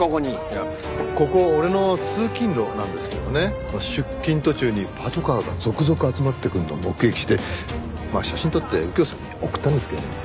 いやここ俺の通勤路なんですけどもね出勤途中にパトカーが続々集まってくるのを目撃してまあ写真撮って右京さんに送ったんですけどね。